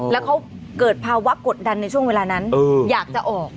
แล้วเขาเกิดภาวะกดดันในช่วงเวลานั้นอยากจะออก